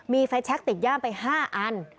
มีไฟแชคติดย่ามไป๕อัน